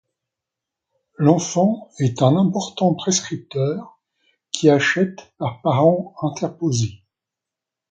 L'enfant est un important prescripteur qui achète par parents interposés.